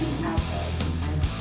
dan nama pelayanan